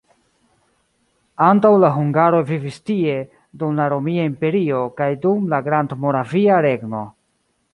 Antaŭ la hungaroj vivis tie dum la Romia Imperio kaj dum la Grandmoravia Regno.